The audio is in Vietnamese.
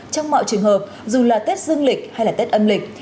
trong mọi trường hợp dù là tết dương lịch hay là tết âm lịch